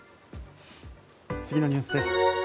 次のニュースです。